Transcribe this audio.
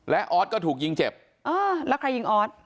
และออสก็ถูกยิงเจ็บแล้วใครยิงออส